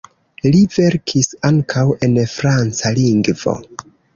Li verkis ankaŭ en franca lingvo.